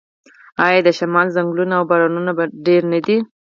آیا د شمال ځنګلونه او بارانونه ډیر نه دي؟